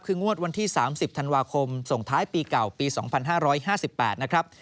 คืองวดวันที่๓๐ธันวาคมส่งท้ายปีเก่าปี๒๕๕๘นะครับ